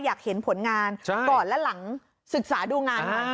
อยากเห็นผลงานก่อนและหลังศึกษาดูงานมา